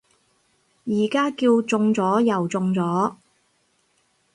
而家叫中咗右再中